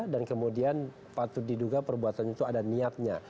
dan kemudian patut diduga perbuatan itu ada niatnya